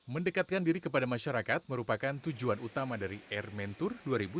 mendekatkan diri kepada masyarakat merupakan tujuan utama dari air mentur dua ribu sembilan belas